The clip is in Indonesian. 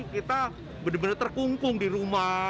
kita benar benar terkungkung di rumah